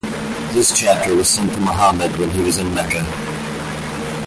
This chapter was sent to Mohammed when he was in Mecca.